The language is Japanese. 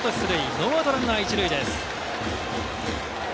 ノーアウトランナー１塁です。